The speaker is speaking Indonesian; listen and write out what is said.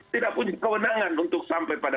tidak punya kewenangan untuk sampai pada